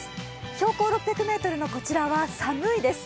標高６００ｍのこちらは寒いです。